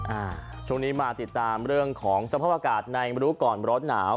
อ่าช่วงนี้มาติดตามเรื่องของสภาพอากาศในรู้ก่อนร้อนหนาว